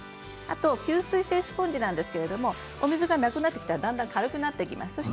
吸水性スポンジですけれどお水がなくなってきたらだんだん軽くなってきます。